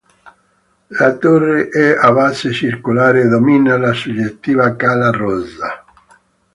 La torre è a base circolare e domina la suggestiva Cala Rossa.